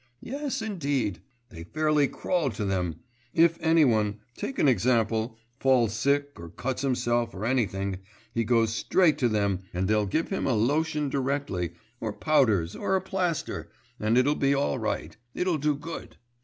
Yes, indeed. They fairly crawl to them. If any one, take an example, falls sick, or cuts himself or anything, he goes straight to them and they'll give him a lotion directly, or powders, or a plaster, and it'll be all right, it'll do good.